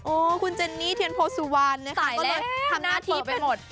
โอ้คุณเจนี่เทียนโพสุวรรณนะคะนะครับหน้าเพิ่มไปหมดตายแล้วหน้าเจ๊เป็น